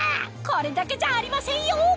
これだけじゃありませんよ